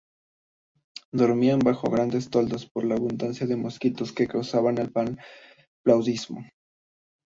Dormían bajo grandes toldos por la abundancia de mosquitos que causaban el paludismo.